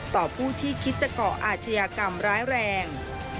ต่อผู้ที่คิดจะเกาะอาชญากรรมร้ายแรง